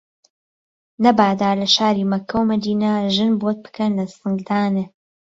نهبادا له شاری مهککه ومەدینه ژن بۆت پکەن له سنگدانێ